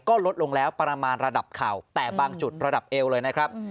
ก็ลดลงแล้วประมาณระดับเข่าแต่บางจุดระดับเอวเลยนะครับ